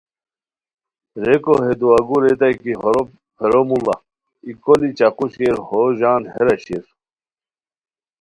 ریکو ہے دعاگو ریتائے کی ہورو پھیرو موڑا ای کولی چاقو شیر، ہو ژان ہیرا شیر